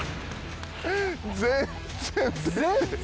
全然。